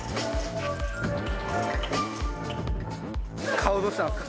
顔どうしたんですか？